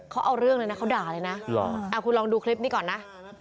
เขาเอาเรื่องเลยนะเขาด่าเลยนะคุณลองดูคลิปนี้ก่อนนะ